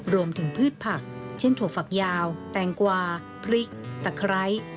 พืชผักเช่นถั่วฝักยาวแตงกวาพริกตะไคร้